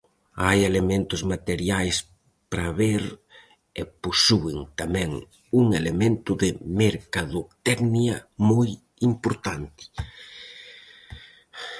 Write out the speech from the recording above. Hai elementos materiais para ver e posúen tamén un elemento de mercadotecnia moi importante.